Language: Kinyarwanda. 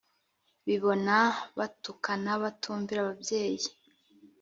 bibona batukana batumvira ababyeyi